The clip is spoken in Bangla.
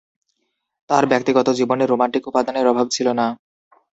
তাঁর ব্যক্তিগত জীবনে রোমান্টিক উপাদানের অভাব ছিল না।